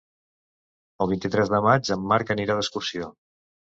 El vint-i-tres de maig en Marc anirà d'excursió.